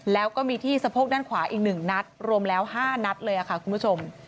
และมีที่สะโพกด้านขวา๑นัดรวม๕นัดเลยค่ะคุณผู้ชม